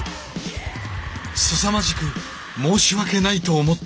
すさまじく申し訳ないと思っている古見さん。